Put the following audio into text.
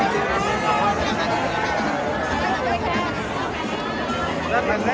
สวัสดีครับ